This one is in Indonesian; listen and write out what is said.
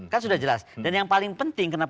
kan sudah jelas dan yang paling penting kenapa